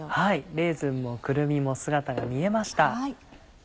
レーズンもくるみも姿が見えました。